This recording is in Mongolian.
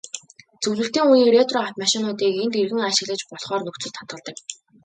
Зөвлөлтийн үеийн ретро автомашинуудыг энд эргэн ашиглаж болохоор нөхцөлд хадгалдаг.